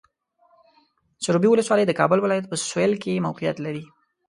سروبي ولسوالۍ د کابل ولایت په سویل کې موقعیت لري.